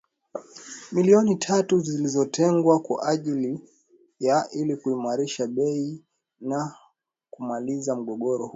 milioni tatu zilizotengwa kwa ajili ya ili kuimarisha bei na kumaliza mgogoro huo